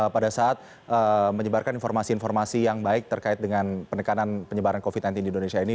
pada saat menyebarkan informasi informasi yang baik terkait dengan penekanan penyebaran covid sembilan belas di indonesia ini